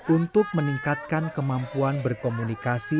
untuk meningkatkan kemampuan berkomunikasi